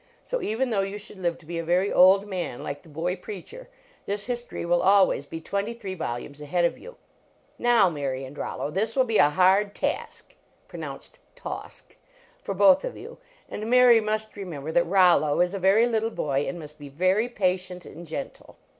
So even though you should live to be a very old man, like the boy preacher, this history will al ways be twenty three volumes ahead of you. Now, Mary and Rollo, this will be a hard task (pronounced tawsk) for both of you, and Mary must remember that Rollo is a very little boy, and must be very patient and gen tle."